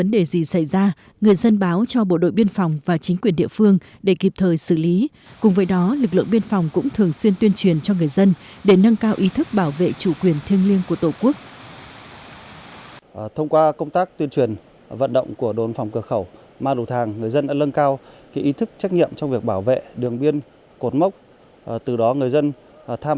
năm hai nghìn năm bộ đội biên phòng cùng chính quyền địa phương làm nhà hỗ trợ hai mươi bảy hộ người giao ổn canh ổn canh bình quân đầu người đạt một mươi tám triệu đồng một người một năm